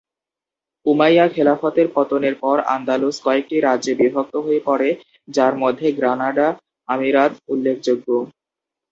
Umayya খিলাফতের পতনের পর আন্দালুস কয়েকটি রাজ্যে বিভক্ত হয়ে পড়ে যার মধ্যে গ্রানাডা আমিরাত উল্লেখযোগ্য।